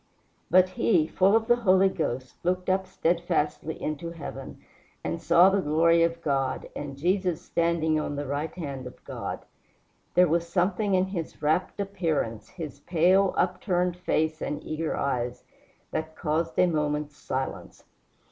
"But he, full of the Holy Ghost, looked up steadfastly into heaven and saw the glory of God, and Jesus standing on the right hand of God." There was something in his rapt appearance, his pale, upturned face and eager eyes, that caused a moment's silence.